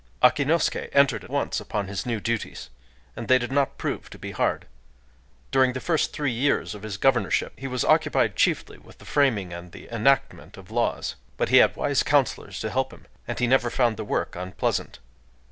Akinosuké entered at once upon his new duties; and they did not prove to be hard. During the first three years of his governorship he was occupied chiefly with the framing and the enactment of laws; but he had wise counselors to help him, and he never found the work unpleasant.